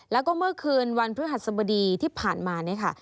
แล้วก็เมื่อคืนวันพฤหัสบดีที่ผ่านมาเนี่ยค่ะ